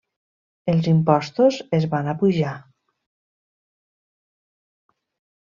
Els impostos es van apujar.